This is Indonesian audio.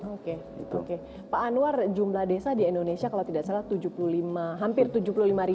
oke pak anwar jumlah desa di indonesia kalau tidak salah tujuh puluh lima hampir tujuh puluh lima